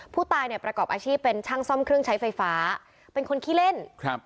ผู้ตายเนี่ยประกอบอาชีพเป็นช่างซ่อมเครื่องใช้ไฟฟ้าเป็นคนขี้เล่นครับ